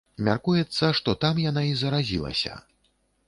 Мяркуецца, што там яна і заразілася.